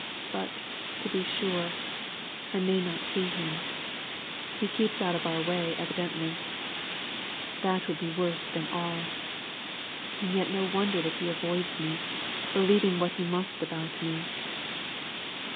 But, to be sure, I may not see him; he keeps out of our way evidently. That would be worse than all. And yet no wonder that he avoids me, believing what he must about me."